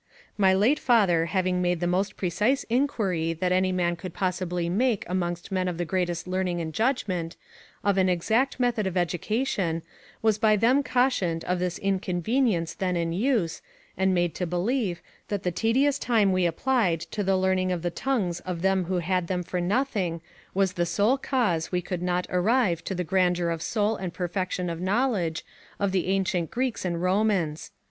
My late father having made the most precise inquiry that any man could possibly make amongst men of the greatest learning and judgment, of an exact method of education, was by them cautioned of this inconvenience then in use, and made to believe, that the tedious time we applied to the learning of the tongues of them who had them for nothing, was the sole cause we could not arrive to the grandeur of soul and perfection of knowledge, of the ancient Greeks and Romans.